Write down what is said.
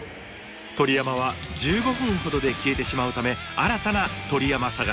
鳥山は１５分ほどで消えてしまうため新たな鳥山探しとなります。